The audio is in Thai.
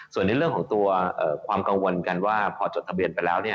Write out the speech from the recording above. ส่วนในเรื่องของตัวความกังวลกันว่าพอจดทะเบียนไปแล้ว